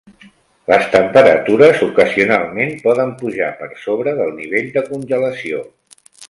Les temperatures ocasionalment poden pujar per sobre del nivell de congelació.